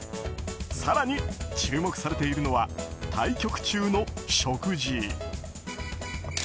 更に注目されているのは対局中の食事。